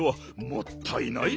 もったいない。